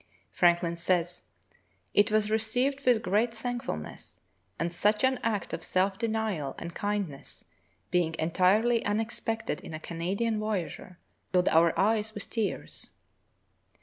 Franklin says: It was received with great thankfulness, and such an act of self denial and kindness, being entirely unexpected in a Canadian voyageur, filled our eyes with tears.